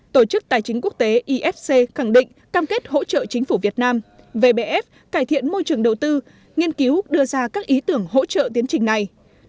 tổ chức tài chính quốc tế ifc khẳng định cam kết hỗ trợ chính phủ việt nam vbf cải thiện môi trường đầu tư nghiên cứu đưa ra các ý tưởng hỗ trợ tiến trình này